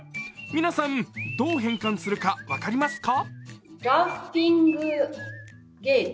皆さんどう変換するか分かりますか。